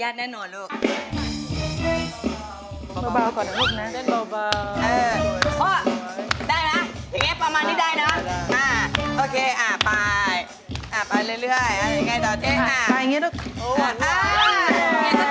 โลบาลก่อนนะลูกนะโลบาลโลบาลโลบาลโลบาล